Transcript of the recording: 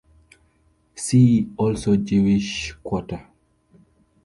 See also Jewish Quarter.